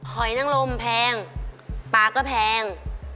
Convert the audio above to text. อยนังลมแพงปลาก็แพง